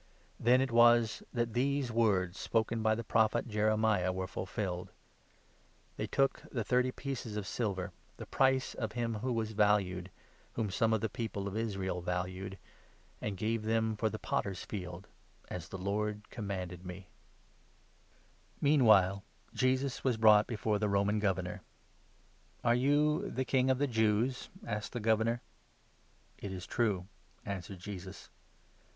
Then 9 it was that these words spoken by the Prophet Jeremiah were fulfilled— ' They took the thirty pieces of silver, the price of him who was valued, whom some of the people of Israel valued, and 10 gave them for the Potter's field, as the Lord commanded me.' » io Zech. ii. 13. 96 MATTHEW, 27. before Mean while Jesus was brought before the Roman tn*e*Roman Governor. Governor. "Are you the King of the Jews?" asked the Governor. " It is true," answered Jesus.